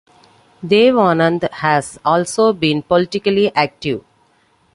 Dev Anand has also been politically active.